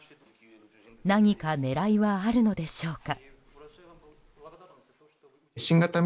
何か狙いはあるのでしょうか。